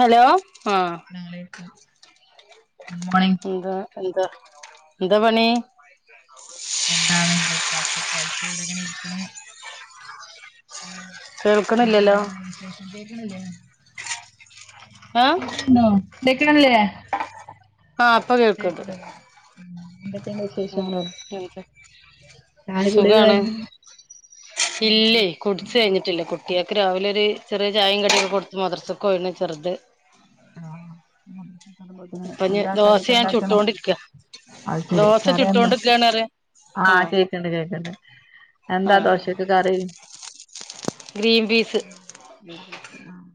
Hello ആഹ് അസ്സലാമലൈക്കും good morning എന്താ എന്താ എന്താ പണി? [inaudible] എന്താണ് ബ്രേക്ക്ഫാസ്റ്റ് ഒക്കെ കഴിച്ച് ഇവെടെ ഇങ്ങനെ ഇരിക്ക്ണ്. കേൾക്ക്ണില്ലല്ലോ കേക്ക്ണ് ഇല്ലെ? ആഹ് കേക്ക്ണ് ഇണ്ടോ? കേക്ക്ണ് ഇല്ലെ? ആഹ് ഇപ്പ കേൾക്ക്ണ്ട് ന്തെക്കൊണ്ട് വിശേ ആഹ് എനിക്ക് ചായ കുടിയൊക്കെ സുഖാണ് കഴിഞ്ഞ് ഇല്ലേയ് ബസ് കുടിച്ച് കഴിഞ്ഞിട്ടില്ലേ കു കുട്ടിയൊക്ക് രാവിലെരു ചെറിയ ചായയും കടയി കൊടുത്ത് മദ്രസക്ക് പോയിണ് ചെറുത് ആഹ മക്ക വരുമ്പത്തിന് ഇപ്പൊ ഇനി എന്താ ദോശ കട്യൊക്കെ ഞാൻ ഇണ്ടാക്കണ ചുട്ടോണ്ടിരിക്ക അത് ശരി ദോശ കറി എന്താ ചുട്ടോണ്ടിരിക്കാണ് പറയാ ആഹ് കേക്ക്ണ്ട് കേക്ക്ണ്ട് എന്താ ആഹ് ദോശക്ക് കറി ഗ്രീൻ പീസ് [unintelligible] ആഹ്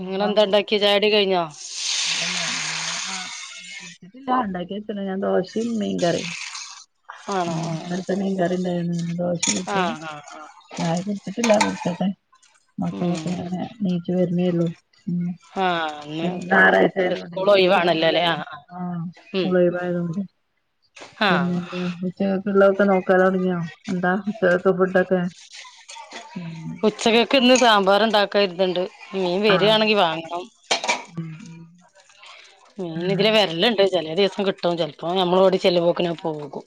നിങ്ങളെന്താണ്ടാക്കിയെ ചായുടിയൊ കഴിഞ്ഞോ ല്ല ല്ല ഞാൻ ആഹ് കുടിച്ചിട്ടില്ല ണ്ടാക്കി വെച്ച്ണ് ഞാൻ ദോശയും മീൻ കറിയും ആണോ ഉം ആഹ് ഇന്നലത്തെ മീൻ കറിണ്ടായിരുന്നു ന്നെ ദോശ ചുട്ട് ആഹ് ആഹ് ആഹ് ടിച്ചിട്ടില്ല കുടിക്കട്ടെ ഉം മക്കളൊക്കെ ങ്ങനെ നീച്ചു വരുന്നേള്ളൂ ഉം ആഹ് ഇന്നാറാഴ്ച ഇന്ന് ആയതോണ്ട് സ്കൂൾ ഒഴിവാണല്ലോല്ലേ സ്‌കൂളൊന്നുല്ലല്ലോ ആഹ് ആഹ് ഉം കൂള്‌ലീവായത് കൊണ്ട് ആഹ് പിന്നെന്താ ഉച്ചക്കുള്ളതൊക്കെ നോക്കലോടങ്ങിയോ എന്താ ഉച്ചക്ക് ഫുഡോക്കെ ഉച്ചകൊക്കെ ഇന്ന് സാമ്പാർ ഉണ്ടാക്കാരുന്നുണ്ട് മീൻ ആഹ് വരിയാണെങ്കി വാങ്ങണം ഉം മീന് ഇതിലെ വരല്ണ്ട് ചില ദിവസം കിട്ടും ചിലപ്പോ നമ്മൾ ഓടി ചെല്ലുപോക്കന് അത് പോകും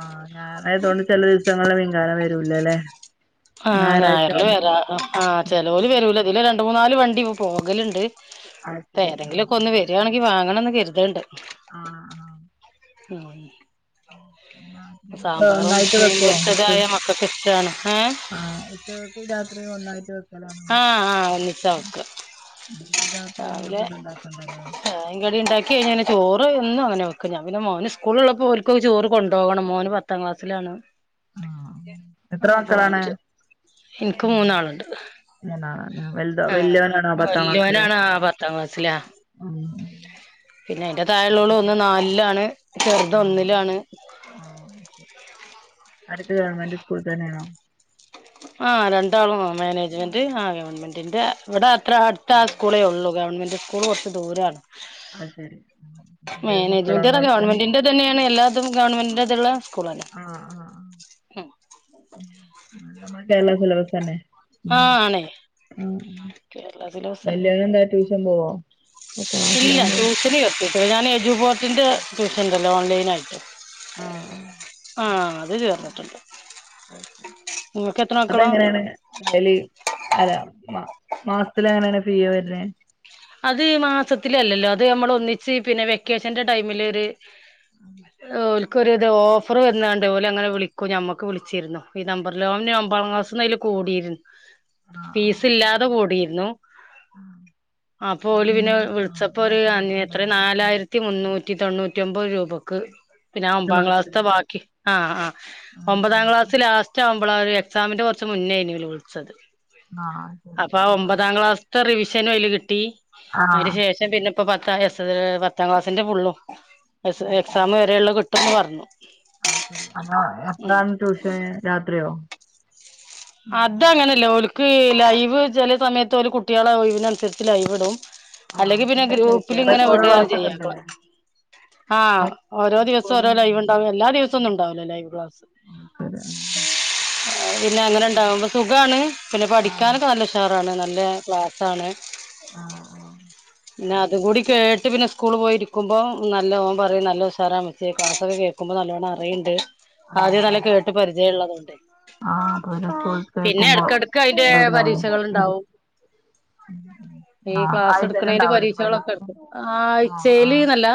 ആഹ് ഞായറായതുകൊണ്ട് ചില ദിവസങ്ങളില് മീൻകാരൻ വരൂലല്ലേ ആഹ് ഞായറാഴ്ച ഞായറില് ആവുമ്പോ വരാ ആഹ് ഉം ചേലോല് വരൂല ഇതില് രണ്ട് മൂന്നാല് വണ്ടി ഇ പോകലുണ്ട് അത് ശരി. ആ. ഏതെങ്കിലുമൊക്കെ ഒന്ന് വരുവാണെങ്കി വാങ്ങണന്ന് കരുതണ്ട് ആഹ് ആഹ് ആഹ് [unintelligible] ഒന്നായിട്ട് മീൻ വെക്കുവോങ്ങട്ട് പൊരിച്ചതായ മക്കൾക്ക് ഇഷ്ടാണ് ഏഹ് ആഹ് ഉച്ചക്ക് രാത്രി ഒന്നായിട്ട് ആഹ് ആഹ് ഒന്നിച്ചാ [unintelligible] വെക്ക ഉം രാത്രി തന്നെ ഫുഡ് ഉണ്ടാക്കണ്ടല്ലോ [unintelligible] ഉണ്ടാക്കി കഴിഞ്ഞാ ചോറ് ഒന്നും അങ്ങനെ വെക്കും പിന്നെ മോന് സ്കൂളുള്ളപ്പോ ഓലക്ക് ചോറ് കൊുപോകണം മോന് [unintelligible] പത്താം ക്ലാസ്സിലാണോ ആ. എത്ര ആഹ് മക്കളാണ്? [unintelligible] എനിക്ക് മൂന്നാളുണ്ട് [unintelligible] ആഹ് പത്താം ക്ലാസിലെ വല്യോനാണ് ആ പത്താം ക്ലാസ്സിലാ ആഹ് പിന്നെ അതിറെ താഴള്ളള് ഒന്ന് നാലിലാണ് ചെറുത് ഒന്നിലാണ് ആഹ് അട്ത്തെ ഗവൺമെന്റ് സ്കൂൾ തന്നെയാണോ ആ രണ്ടാളും മാനേജ്മെന്റ് ആ ഗവൺമെന്റിന്റെ ഇവിടെ അത്ര ആ. അടുത്ത സ്കൂളേ ഉള്ളൂ ഗവൺമെന്റ് സ്കൂള് കുറച്ച് ദൂരാണ് അഹ് ശെരി [unintelligible] ഇത് തന്നെയാണ് എല്ലാതും ഗവൺമെന്റിൻ്റെതുള്ള സ്കൂളാണ് ആഹ് ആഹ് ആഹ് നമ്മുടെ കേരള സിലബസ് തന്നെ ആഹ് ആണ് ആഹ് വല്യാള് എന്താ ട്യൂഷൻ പോവോ ഇല്ല ക്ലാസ്സിലാവുമ്പോ ട്യൂഷന് ചേർത്തിട്ടില്ല ഞാൻ [unintelligible] ട്യൂഷൻണ്ടല്ലോ ഓൺലൈൻ ആയിട്ട് ചേർന്നിട്ടുണ്ട് നിങ്ങൾക്ക് എത്ര [unintelligible] മക്കളാ അതെങ്ങനാണ് [unintelligible] അല്ല മാസത്തില അങ്ങനെയാണ് ഫീ വരണെ അത് മാസത്തിലല്ലല്ലോ അത് നമ്മള് ഒന്നിച്ച് പിന്നെ വെക്കേഷന്റെ ടൈമിലൊരു ഉം ഓലക്കൊരു ഇത് ഓഫർ വന്നാണ്ട് ഓല് അങ്ങനെ വിളിക്കോ ഞമ്മക്ക് വിളിച്ചിരുന്നു ഈ നമ്പറിൽ ഓൻ ഒമ്പാം ക്ലാസ്സിൽ [unintelligible] കൂടിയിരുന്നു ആഹ് ഫീസില്ലാതെ കൂടിയിരുന്നു ആഹ് ആഹ് അപ്പൊ ആപ്പോല് പിന്നെ ആഹ് വിളിച്ചപ്പോ ഒരു ഓഫർ എത്രയാ കിട്ടുണ്ടാവും നാലായിരത്തി മുന്നൂറ്റി തൊണ്ണൂറ്റി ഒമ്പത് രൂപക്ക് ക്ക് പിന്നെ ആ ഒരു ഒമ്പാം ക്ലാസ്ത്തെ മാസത്തിനോ ബാക്കി ആഹ് ആഹ് ആഹ് ഒമ്പതാം ആഹ് ക്ലാസ് ലാസ്റ്റ് ഉച്ചാവുമ്പോള ഒരു എക്സാമിന്റെ കുറച്ച് മുന്നായിനും ഓല് വിളിച്ചത് ആഹ് ശരി അപ്പൊ ആ അഹ് ഒമ്പതാം [unintelligible] റിവിഷനും അയ്ല് കിട്ടി അതിനു ആഹ് ശേഷം പക്ഷെ പിന്നെ പത്ത പത്താം ക്ലാസിന്റെ ഫുള്ളും എക്സാം വരെയുള്ള [unintelligible] പറഞ്ഞു [unintelligible] ഉം എപ്പഴാണ് ട്യൂഷൻ രാത്രിയോ ഉം അത് അങ്ങനല്ല ഒൽക്ക് ലൈവ് ചെല സമയത്ത് ഓല് കുട്ടികളെ ഒയ് വിനന്നുസരിച്ച് ലൈവ് ഇടും ആഹ് അല്ലെങ്കി പിന്നെ ചോദിച്ചേ ഗ്രൂപ്പിൽ ഇങ്ങനെ റെക്കോർഡ് വിടാണ് ക്ലാസ് ഒക്കെ ചെയ്യാ ഉണ്ടല്ലേ ആഹ് ഓരോ ദിവസം റെക്കോർഡിങ് ഓരോ ലൈവ് ഇല്ലല്ലോ ഇണ്ടാവും എല്ലാ ദിവസൊന്നും ഇണ്ടാവൂല ലൈവ് ക്ലാസ് ശരി പിന്നെ അങ്ങനെ ഇതാവുമ്പോ സുഖാണ് പിന്നെ ആഹ് പഠിക്കാനൊക്കെ നല്ല ഉഷാറാണ് നല്ല ക്ലാസാണ് ആഹ് ആഹ് പിന്നെ അതും കൂടി കേട്ട് പിന്നെ സ്കൂള് പോയിരിക്കും കേക്കുമ്പോം നല്ല ഓൻ പറയും നല്ല ഉഷാറാ മ്മച്യേ ക്ലാസ്സൊക്കെ കേൾക്കുമ്പോ നല്ലോണം അറിയ്ണ്ട് ആഹ് ആദ്യം നല്ല ആഹ് കേട്ട് പരിചയം ഉള്ളതോണ്ട് ആഹ് [unintelligible] കേക്കുമ്പോ ഇടക്കിടക്ക് അതിന്റെ പരീക്ഷകൾ ഉണ്ടാവും [unintelligible] ഈ ക്ലാസ് എടുക്കണേന്റെ പരീക്ഷകളൊക്കെടുക്കും ആ ആഹ് ആഴ്ച്ചേൽ ആഹ് ന്നല്ല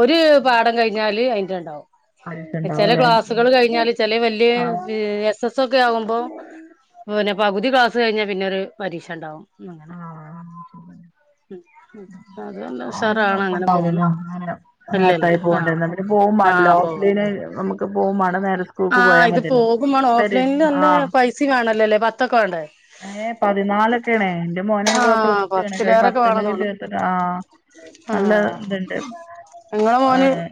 ഒരു പാഠം കഴിഞ്ഞാല് അയിന്റെണ്ടാവും പരീക്ഷ ചെല ഉണ്ടാവൂലേ ക്ലാസ്സുകൾ കയിഞ്ഞാൽ ചില വല്ല്യേ ആഹ് എസ് എസ് ഒക്കെ ആകുമ്പോ പകുതി ക്ലാസ് കഴിഞ്ഞാ പിന്നെ ഒരു പരീക്ഷണ്ടാവും അങ്ങനെ [inaudible] ഉം ഉം അത് നല്ല ഉഷാറാണ് അങ്ങനെ പോണ് കൊഴപ്പണ്ടാവില്ലല്ലോ ഇല്ലല്ല അനെറാഹത്തായി ആഹ് പോകണ്ടരുന്നെ പോകുംവാണ്ലോ ആഹ് പോവാ ഓഫ്ല്ലയ്നെയ് നമുക്ക് പോകും വാണം ആഹ് ഇത് പോകും വാണം ഓഫ് ലൈനിൽ നല്ല ആഹ് പൈസിം ആണല്ലല്ലേ പത്തൊക്കെ വാണ്ടേ ഏഹ് പതിനാലൊക്കേണ് ഇന്റെ മോന് ഇപ്പ ആഹ് പ്ലസ് ടു ആണ് ക പത്തിലേറൊക്കെ വേണന്ന് പത്ത്ന്നൊക്കെ തോന്നുന്നു ചേർത്തിട്ട് ആഹ് നല്ല ആഹ് ഇത്ണ്ട്ണ്ട് നിങ്ങളെ മോന് ആഹ്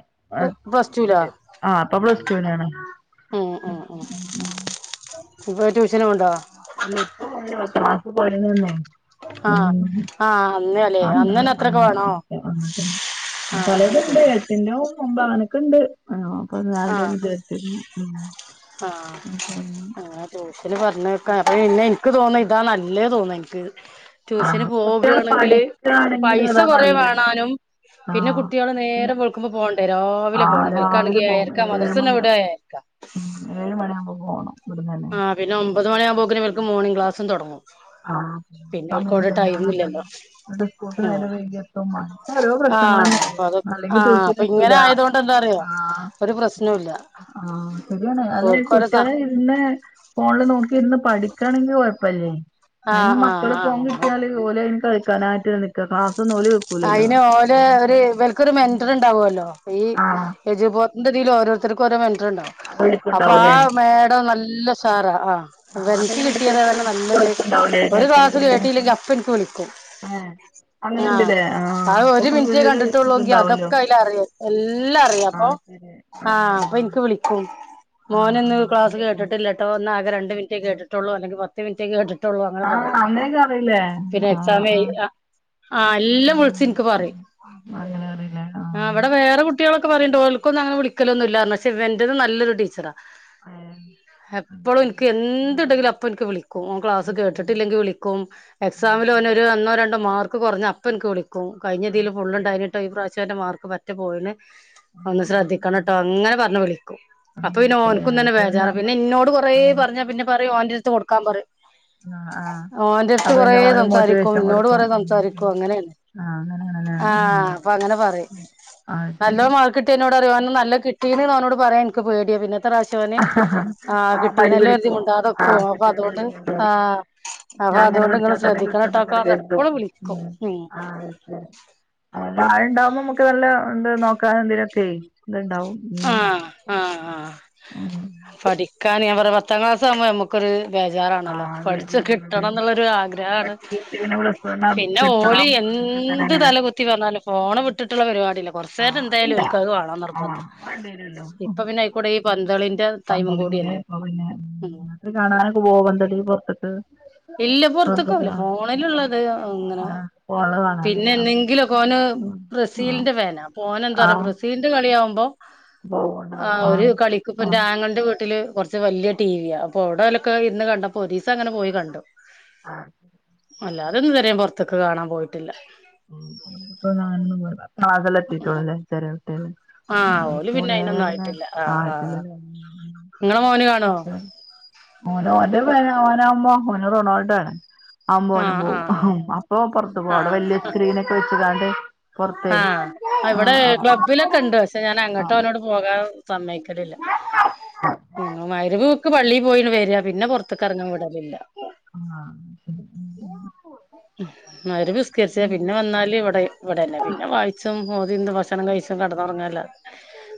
പ്ലസ് ടൂലാ ഇഹ് ആ ഇപ്പൊ പ്ലസ്റ്റുവിനാണ് ഉം ഉം ഉം ഇപ്പൊ ട്യൂഷന് പോവ്ണ്ടോ ഇല്ല ഇപ്പോ പോണില്ല പത്ത് മാസം പോരെ നിന്ന് ആഹ് ആഹ് അന്ന് അലേ ആഹ് ആഹ് ആഹ് ആഹ് പലതുണ്ട് ശരി [unintelligible] മുമ്പ് അനക്ക്ണ്ട് ആഹ് ആഹ് മ്മ്ഹ് [unintelligible] ആഹ് അങ്ങനെ ട്യൂഷൻ പറഞ്ഞേക്കാ ആയ് പിന്നെയ് ഇക്ക് തോന്നാ ഇതാ നല്ലത് തോന്ന ഇനിക്ക് ട്യൂഷന് ആഹ് കുട്ടികൾ പോകാണെങ്കില് പഠിക്കാണെങ്കിൽ പൈസ അതാ കൊറേ നല്ലത് വേണാനും പിന്നെ ആഹ് കുട്ട്യേൾ പിന്നെ നേരം വെള് ക്കുമ്പോ പോണ്ടേ രാവിലെ ആ പോണം ഇവിൽക്കാണെങ്കി രാവിലെ പോകും ഏഴരക്കാ ഏഴ് മദ്രസന്നെ വിടാ മണിയാവും ഏഴരക്കാ ഉം ഏഴ് മണിയാമ്പോ പോണം ഇവിട്ന്നെ ആഹ് പിന്നെ ഒമ്പത് മണിയാകുമ്പോക്ക്ന് ഇബൽക്ക് മോണിംഗ് ക്ലാസും തൊടങ്ങും ആഹ് സമയല്ലല്ലോ ഇല്ലല്ലോ അങ്ങൻത്തന്നെ ന്നിട്ട് സ്കൂൾക്ക് ആ നേരം വൈകി ഓരോ ആ പ്രശ്നങ്ങൾ തന്നെയെന്നു അപ്പൊ അത് അല്ലെങ്കി ആ ട്യൂഷൻ അപ്പൊ എത്തൂല ഇങ്ങനെ ആയതുകൊണ്ട് എന്താ അറിയോ ആഹ് ഒരു പ്രശ്നവും ഇല്ല ആഹ് ശരിയാണ് അതായി ഓൽക്ക് ഓലെ സ കുട്ട്യേളെ- പിന്നെ ഫോണില് നോക്കിരുന്ന് പഠിക്കാണെങ്കി കൊഴപ്പല്ലേ ആ അയ്ന് മക്കള് ആ ഫോൺ ആ കിട്ടിയാല് ഓല് അയ്ന് കളിക്കാനായിട്ട് നിക്കാ ക്ലാസ്സൊന്നും ഓല്- കേക്കൂലല്ലോ അയിന് ഓല് ഒരു ഇവർക്ക് ഒരു മെന്റർ ഉണ്ടാവോലോ ഈ ആ എജുപോർട്ടിന്റെ ഇതില് ഓരോരുത്തർക്ക് ഓരോ മെന്റർണ്ടാകും അപ്പൊ വിളിക്കുണ്ടാവൂലേ ആഹ് മേഡം നല്ല ഉഷാറാ ആഹ് ആ ഇവനിക്ക് അതെങ്ങനെ ഇടക്കിടക്ക് കിട്ടിയതാണെങ്കി വിളിച്ച് നല്ലൊരു ചോദിക്കുണ്ടാവൂലേ ഒരു ക്ലാസ് കേട്ടില്ലെങ്കി അപ്പൊ ഇനിക്ക് വിളിക്കും ആഹ് അങ്ങനെയിണ്ട് ഇല്ലേ ആഹ് ആ അപ്പൊ ഒരു ഇപ്പൊ മിനിറ്റേ പിന്നെ ഒരു കണ്ടിട്ടുള്ളൂങ്കി ഇത്ണ്ടാവല്ലോ അതൊക്കെ അതിലറിയും എല്ലാറിയാം ആഹ് അപ്പൊ- ശരി അതെ ആഹ് അപ്പൊ ഇനിക്ക് വിളി മോന് ആഹ് ഇന്ന് ആഹ് ക്ലാസ് എന്തൊക്കെ കേട്ടിട്ടില്ലട്ടോ ഇന്ന് ആകെ രണ്ട് മിനിറ്റേ ആഹ് കേട്ടിട്ടൊള്ളൂ അല്ലെങ്കി മിനിട്ടെ കേട്ടിട്ടൊള്ളൂ അങ്ങനെ ആഹ് പറയും അങ്ങനെയൊക്കെ അറിയില്ലേ പിന്നെ എക്സാമെയ് ആഹ് ആഹ് എല്ലാം- ഉം ഇപ്പൊ വിളിച്ച് ഇന്ക് പറയും ഉം അങ്ങനെ അറിയില്ലേ ആ ആഹ് ഇവിടെ വേറെ കുട്ടികളൊക്കെ പറയുണ്ട് ഓല്ക്കൊന്നുങ്ങനെ വിളിക്കലൊന്നുല്ലാരെ പക്ഷ ഇവന്റത് നല്ലൊരു ടീച്ചറാ അയേ എപ്പോഴും എനിക്ക് എന്തുണ്ടെങ്കിലും അപ്പ എനിക്ക് വിളിക്കും ഓൻ ക്ലാസ് കേട്ടിട്ടില്ലെങ്കിൽ വിളിക്കും എക്സാമില് ഓന് ഒരു ഒന്നോ രണ്ടോ മാർക്ക് കുറഞ്ഞ അപ്പൊ ഇൻക്ക് വിളിക്കും ഉം കഴിഞ്ഞതിൽ ആഹ് ശരി ഫുള്ണ്ടായിനിട്ടോ ഈ പ്രാവശ്യ ഓന്റെ മാർക്ക് പറ്റ പോയാണ് ഉം ഒന്ന് ഉം ഉം ശ്രദ്ധിക്കണ്ട്ടോ അങ്ങനെ പറഞ്ഞ് വിളിക്കൂ അപ്പൊ പിന്നെ അങ്ങനെടുക്കൂലേ ഓനക്കും തന്നെ അപ്പൊ വേചാറ നമ്മ പിന്നെ ഇന്നോട് കുറേ ആഹ് പറഞ്ഞാ പിന്നെ പറയും ഓൻ്റെടുത്ത് അടുത്ത് കൊടുക്കാൻ പറയും ആഹ് ആഹ് ഒന്റട്ത് അപ്പൊ കൊറെ പിന്നെ ഓന് സംസാരിക്കും മോട്ടിവേഷൻ ഇന്നോട് കൊടുക്കും കുറെ ഉം സംസാരിക്കും ഉം അങ്ങനന്നെ ആഹ് അങ്ങനെയാണല്ലേ ആഹ് ഉം അപ്പൊ അങ്ങനെ പറയും ആഹ് നല്ലോ ശരി മാർക്ക് [unintelligible] പറയും അവൻ നല്ല കിട്ടീന്ന് അവോട് പറയാൻ എനിക്ക്പേടിയ പിന്നെ അടുത്ത പ്രാവിശ്യോന് ആഹ് മടി കിട്ടിനല്ലോ കരുതി പിടിക്കും മിണ്ടാതെ ഇക്കു ആഹ് അപ്പൊ അതുകൊണ്ട് കിട്ടണെങ്കിലും കൊണ്ട് കൊടുക്കും ആഹ് അപ്പൊ ഞാൻ ഇങ്ങനെ അതുകൊണ്ട് ഇങ്ങള് പിടിച്ചാൽ തന്നെ ശ്രദ്ധിക്കണ്ട്ടോ കിട്ടുന്നൊക്കെ ആക്കാ കരുതും എപ്പളും വിളിക്കും ഉം [unintelligible] ഉണ്ടാവുമ്പോ നമുക്ക് നല്ല എന്ത് നോക്കൻ എന്തിനൊക്കെയ ഇതുണ്ടാവും ഉം ആഹ് ആഹ് ആഹ് ഉം പഠിക്കാൻ ഞാൻ പറഞ്ഞ് പത്താം ക്ലാസ് ആവുമ്പോ നമ്മക്ക് [unintelligible] ഒരു ബേചാറാണല്ലോ ആഹ് പഠിച്ച് കിട്ടണം ബേജാറുള്ളതന്നെ എന്നുള്ളരു ആഗ്രഹാണ് പഠിച്ചിട്ട് പിന്നെ പ്ലസ് വൺ പിന്നെ ഓല് കിട്ടണം അങ്ങനൊക്കെ എന്ത് തന്നെല്ലേ തല കുത്തി മറിഞ്ഞാലും ഫോണ് വിട്ടിട്ടുള്ള പരിപാടില്ല കുറച്ചേരം ആഹ് എന്തായാലും അതില്ല ഓലിക്ക് അത് വാണന്ന് ആഹ് നിർബന്ധാ വേണ്ടിവരല്ലോ ഇപ്പൊ പിന്നെയിക്കൂടെ ഈ പന്തളിന്റെ ടൈമും കൂടിയല്ലേ ത് കാണാന് ഇപ്പൊക്കെ പോവണ്ടടി പോർത്ത്ക്ക്. ഇല്ല പൊർത്ത്ക്ക്വൂവൂലാ, ഫോണിലുള്ളത് അങ്ങനെ ആഹ് ഫോണില് കാണാലോ പിന്നെ ആഹ് ന്തെങ്കിലൊക്കെ ഓന് ആഹ് ബ്രസീലിന്റെ ഫാനാ അപ്പൊ ഓനന്തറിയോ ആഹ് ബ്രസീലിന്റെ കളിയ ആവുമ്പോ ആ, പോവ്ണ്ടാവും ഒരു ആഹ് കളിക്ക്പ്പന്റെ ആങ്ങൾന്റെ വീട്ടില് കൊർ വല്ലിയ ട്ടീവിയാ, അപ്പൊ അവടെ ഓലൊക്കെ ഇര്ന്ന് കണ്ടപ്പൊ ഒരീസ ങ്ങനെ പോയി കണ്ടു. ആഹ് അല്ലാതൊന്നും ഇതുവരെ പൊർത്ത്ക്ക് കാണാൻ പോയിട്ടില്ല. [unintelligible] ആ ഓല് പിന്നെ അയിനൊന്നും [unintelligible] നാട്ടില് നിന്നു. ങ്ങളെ മോന് കാണുഓ? [unintelligible] ഓന് റൊണാൾഡോണ്. ആവുമ്പോ ആ ഓനും ആ പോകും, ആ അപ്പൊ പൊർത്ത് പോകും ആ അവടെ വല്ലിയ സ്ക്രീൻ ഒക്കെ വെച്ങാൻണ്ട് ആഹ്‌, ഇവടെ ക്ലബ്ബില് ക്കണ്ട്, പക്ഷെ ഞാന ആഹ് അങ്ങട്ടൊനോട് പോകാൻ സമ്മയ്ക്കലില്ല ഞങ്ങ മഗ്‌രിബ് ക്ക് പള്ളി പോയിട് വേരാ പിന്നെ പൊർത്ത്ക്കറങ്ങാൻ വിടലില്ല. ആഹ് ശരി ഉം, മഗ്‌രിബ് നിസ്ക്കര്ച്ചാ പിന്നെ വന്നാല് ഇവടെ ഇവടെന്നെ പിന്നെ വായി ച്ചും മോതി ഇര്ന്ന് ഭക്ഷണം കഴിച്ച് കടന്നൊറങ്ങല്ലാതെ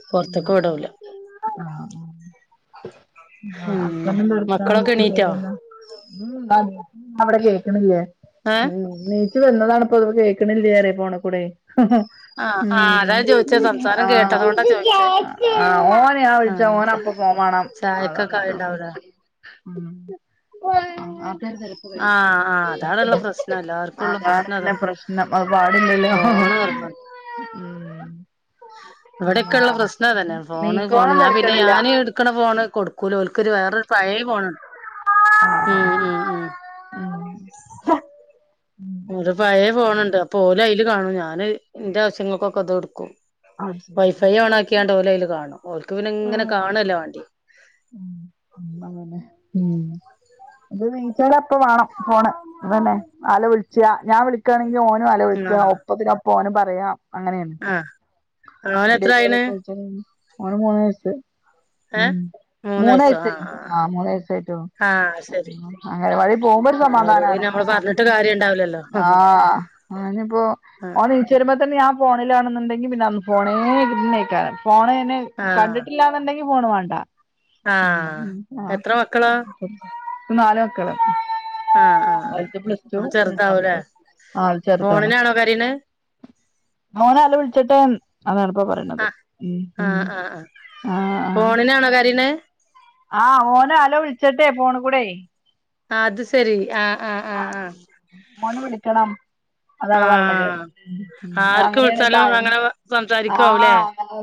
പൊർത്ത്ക്ക് വിടൂല. ആഹ്‌, ആ. [unintelligible] [unintelligible] പിന്നെ മക്കളൊക്കെ എണീറ്റോ ഉ അവടെ കേയ്ക്ക്നില്ലേ? ഏ ഉം. നീച്ചു വന്നതാണ്പ്പൊത് കേൾക്ക്ണില്ലിയെ പറയാ ഫോണ്ക്കൂടെയ്. ആഹ് ആഹ് ഉം, അതാ ചോദിച്ചേ സംസാരം കേട്ടതോണ്ടാ ആഹ്‌ ചോദിച്ചേ ആഹ്‌ ഓനേ ഞാൻ ആഹ് വ്ൾച്ച ഓന അതാ അപ്പൊ പോമാണം അതാണ് ചായക്കൊക്കെ ആയിണ്ടാവൂലേ ആഹ്‌ ഉം. ഉരരപ്പ് ആഹ് ആഹ് അതാണ്ള്ള പ്രശ്നം [unintelligible] എല്ലാർക്കും ഉള്ള അതാണ് പ്രശ്നം അതാ പിന്നെ പ്രശ്നം പാടില്ലല്ലോ ഫോണ് ഉം. ഇവടെക്കള്ള അതാണ് പ്രശ്നം അതന്നെ ഫോണ് നീക്കോളം ഫോണ് ഞാൻ പിന്നെ തെരക്കേടില്ല ഞാന് എടു ക്ക്ന ഫോണ് കൊട്ക്കൂല ഓൽക്കൊരു വേറെ ഒരു പഴേ ഫോണ് [inaudible] ഉം ഉം ഉം. ഉം പഴേ പോണ് ണ്ട് അപ്പൊ ഓല അയില് കാണും ഞാന് ന്റെ ആവശ്യങ്ങൾക്കൊക്കെ ഇത്ട്ക്കും. അത് ശരി വൈഫൈ എന്താ ഓണ പറ്റി ആക്കിയാണ്ട് ഓലയില് കാണും, ഓൽക്ക് പിന്നെ ഇങ്ങനെ കാണ്ല്ലാ വാണ്ടിയെ. ഉം ഉം അങ്ങനെ ഉം. ത് നീച്ചാലപ്പോ വാണം ഫോണ് വനെ ആള് വ്ള്ച്ചാ ഞാൻ വിളി വക്കാണെങ്കിൽ ഓനും അലോ വിളിക്കാ ആഹ് ഒപ്പത്തിനൊപ്പം ഓനും പറയാ അങ്ങനേണ്. ആഹ്‌. വീഡിയോ കോൾ ഒക്കെ [unintelligible] ഓന് മൂന്ന് വയസ്സ് ഏഹ് ഉം. മൂന്ന് വയസ്സോ വയസ്സായി, ആഹ് അഹ് മൂന്ന് വയസ്സായിട്ടൊള്ളു, ആഹ് ആഹ് ശരി അങ്കലവാടി പോകുമ്പോ ഒരു പിന്നെ ഓലോട് സമാധാനാണ്. പിന്നെ നമ്മള് പറഞ്ഞിട്ട് കാര്യം ഉണ്ടാവില്ലല്ലോ ആഹ് ആഹ്‌, ഓന്പ്പോ ഓൻ നീ വെരുമ്പ തന്നെ ഞാൻ ഫോണിലാണെന്നുണ്ടെങ്കി പിന്നെ അന്ന് ഫോണേ [unintelligible] ഫോണയിന് കണ്ടിട്ടില്ല ണ്ടെങ്കി ഫോണ് വാണ്ട. ആഹ്‌, എത്ര മക്കളാ? ന്നാല് മക്കള്. ആഹ് ആഹ് ആഹ് ഒരുത്തൻ പ്ലസ്ട്ടു ഓൻ ചെറുതാവൂലേ രണ്ടാമത്ത ആൾ ചെറുതാണ്. ഫോണിനാണോ കരീണ് മോന അലോ വിൾച്ചിട്ടും അതാണ്പ്പ പറിണത് ആഹ് ഹമ് ഹമ് ആഹ്‌ ആഹ്‌. ആണോ കരിണ്? അഹ്, ഓനെ അലോ വ്ൾച്ചട്ടെ ഫോണ് കുടെയ്. അത് ശെരി ആഹ് ആഹ് ആഹ് ആഹ് [inaudible] മോന് വിളിക്കണം. അതാണ് പറിണത് ആഹ് ഹമ് ആർക്ക് അങ്ങനെണ് വിളിച്ചാലും തായം അങ്ങനെ ആ സംസാരിക്കാവൂലേ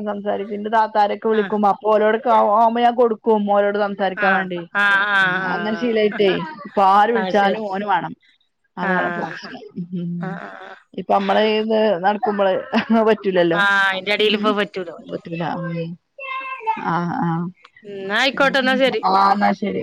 സംസാരിക്കും പിന്നന്റെ താത്താരൊക്കെ ആഹ് വിളിക്കും അപ്പൊ ഓലൊടക്കെ ആവുംമ്പോ ഞാൻ കൊടുക്കും ഓലൊട് സംസ സാരിക്കാ ആഹ് വാണ്ടി ആഹ് ഉം അങ്ങനെ ആഹ് ശീലായി ട്ടേ ആഹ് ഇപ്പൊ ആര് ആഹ് വിളിച്ചാലും ശരി ഓന് വാണം. ആഹ് അതാണ്പ്പോപ്രശ്നം. ഹും ആഹ് ഇപ്പൊ നമ്മള് ഇത് നടക്കുമ്പള് ഹ ഹേ പറ്റ് പറ്റുല്ലല്ലോ? ആഹ് അയിന്റെ എടേല് ഇപ്പ പറ്റൂല പറ്റുല്ല [inaudible] ആഹ! ആഹ! ന്നാ ആയിക്കോട്ടെ ഹും എന്നാ ശരി ആഹ ന്നാ ശരി!